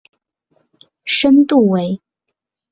深度为。